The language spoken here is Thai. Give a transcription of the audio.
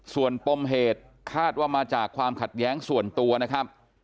ส่วนปมเหตุคาดว่ามาจากความขัดแย้งส่วนตัวนะครับ